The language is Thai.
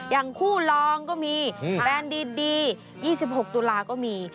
อย่างคู่ลองก็มีแบรนด์ดี๒๖ตุลาก็มี